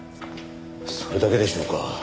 それだけでしょうか。